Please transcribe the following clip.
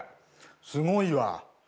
すごいわ。